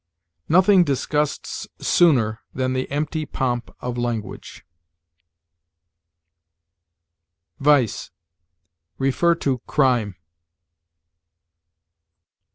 "Nothing disgusts sooner than the empty pomp of language." VICE. See CRIME.